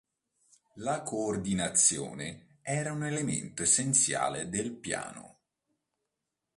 La coordinazione era un elemento essenziale del piano.